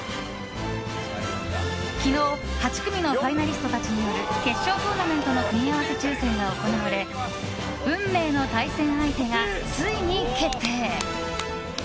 昨日、８組のファイナリストたちによる決勝トーナメントの組み合わせ抽選が行われ運命の対戦相手がついに決定。